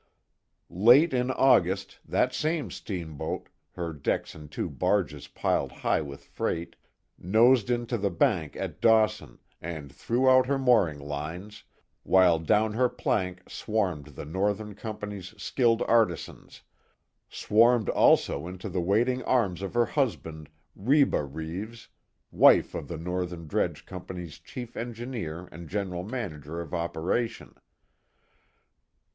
Late in August that same steamboat, her decks and two barges piled high with freight, nosed into the bank at Dawson and threw out her mooring lines, while down her plank swarmed the Northern Company's skilled artisans swarmed also into the waiting arms of her husband, Reba Reeves, wife of the Northern Dredge Company's chief engineer and general manager of operation.